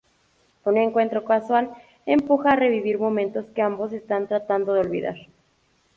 Un encuentro casual empuja a revivir momentos que ambos están tratando de olvidar.